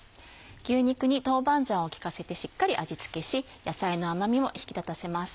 牛肉に豆板醤を効かせてしっかり味付けし野菜の甘みも引き立たせます。